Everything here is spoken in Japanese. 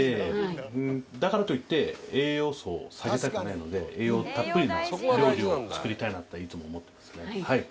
だからといって栄養素を下げたくないので栄養たっぷりな料理を作りたいなとはいつも思ってますね。